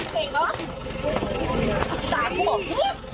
เก่งไหม